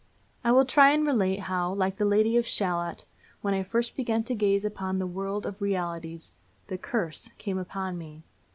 I will try and relate how, like the Lady of Shalott, when I first began to gaze upon the world of realities "the curse" came upon me.